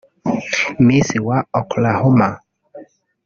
Miss wa Oklahoma